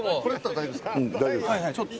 大丈夫。